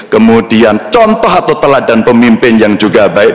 kemudian contoh atau teladan pemimpin yang juga baik